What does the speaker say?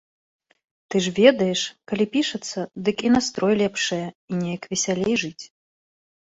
Ты ж ведаеш, калі пішацца, дык і настрой лепшае, і неяк весялей жыць.